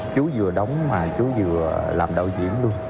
chú vừa đóng mà chú vừa làm đạo diễn luôn